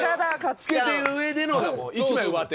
つけてる上でのだもん一枚上手。